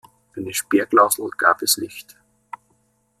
Eine Sperrklausel gab es nicht.